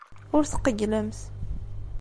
Ur tqeyylemt.